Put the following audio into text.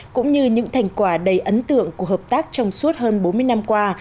cũng như những thành quả đầy ấn tượng của hợp tác trong suốt hơn bốn mươi năm qua